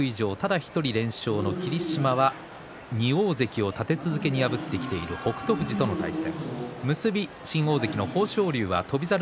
三役以上で、ただ１人連勝の霧島は２大関を破ってきている北勝富士との対戦。